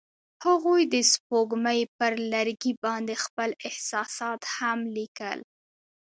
هغوی د سپوږمۍ پر لرګي باندې خپل احساسات هم لیکل.